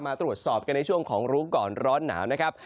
มาตรวจสอบกันในช่วงของรู้ก่อนร้อนหนาวนะครับ